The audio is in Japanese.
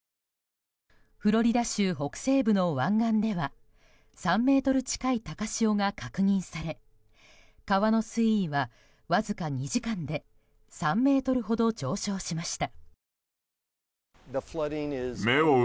フロリダ州北西部の湾岸では３ｍ近い高潮が確認され川の水位は、わずか２時間で３ｍほど上昇しました。